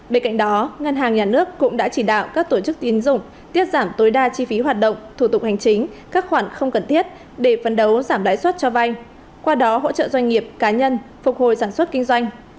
bên cạnh đó ngân hàng nhà nước cũng đã chỉ đạo các tổ chức tín dụng tiết giảm tối đa chi phí hoạt động thủ tục hành chính các khoản không cần thiết để phân đấu giảm lãi suất cho vay qua đó hỗ trợ doanh nghiệp cá nhân phục hồi sản xuất kinh doanh